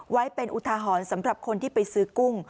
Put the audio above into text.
ไว้เป็นอุทาหรณ์สำหรับคนที่ไปซื้อกุ้ง